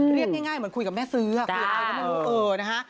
เรียกง่ายเหมือนคุยกับแม่ซื้อค่ะ